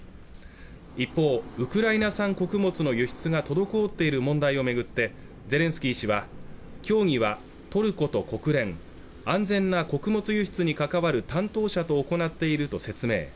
一方ウクライナ産穀物の輸出が滞っている問題を巡ってゼレンスキー氏は協議はトルコと国連安全な穀物輸出に関わる担当者と行っていると説明